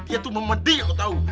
dia tuh memedi aku tau